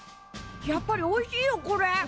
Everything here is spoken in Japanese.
やっぱりおいしいよこれ。